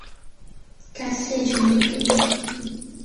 کاتت هەیە گوێم لێ بگریت؟